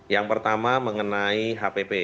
yang pertama mengenai hpp